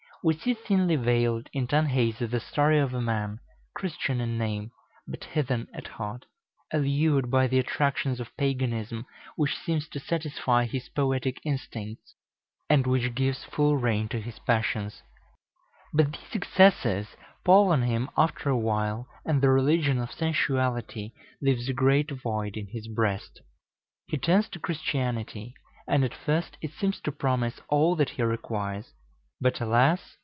We see thinly veiled in Tanhäuser the story of a man, Christian in name, but heathen at heart, allured by the attractions of paganism, which seems to satisfy his poetic instincts, and which gives full rein to his passions. But these excesses pall on him after a while, and the religion of sensuality leaves a great void in his breast. He turns to Christianity, and at first it seems to promise all that he requires. But alas!